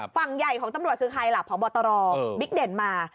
ฝั่งใหญ่ของตำรวจคือใครล่ะพบตรบิ๊กเด่นมา